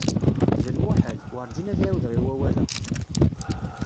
D lmuḥal, werǧin ad ɛiwḍed i wawal-a.